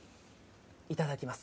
いただきます。